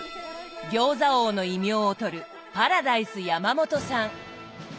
「餃子王」の異名をとるパラダイス山元さん。